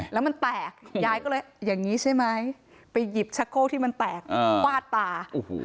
แล้วมันแตกยายก็เลยอย่างนี้ใช่ไหมไปหยิบชักโคกที่มันแตกฟาดตา